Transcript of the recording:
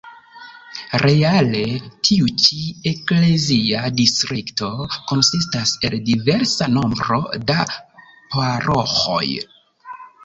Reale tiu ĉi "eklezia distrikto" konsistas el diversa nombro da paroĥoj.